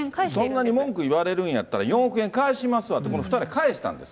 そんなに文句言われるんやったら、４億円返しますわって、この２人、返したんです。